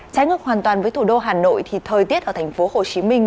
trái ngược hoàn toàn với thủ đô hà nội thì thời tiết ở thành phố hồ chí minh